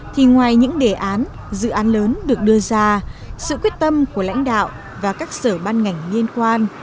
thì ngoài những đề án dự án lớn được đưa ra sự quyết tâm của lãnh đạo và các sở ban ngành liên quan